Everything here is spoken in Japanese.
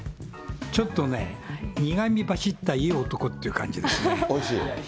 ちょっとね、苦みばしったいい男って感じですね。